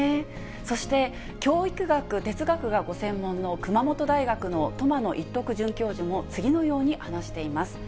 そして教育学、哲学がご専門の熊本大学の苫野一徳准教授も次のように話しています。